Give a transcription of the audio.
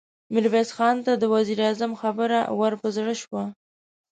ميرويس خان ته د وزير اعظم خبره ور په زړه شوه.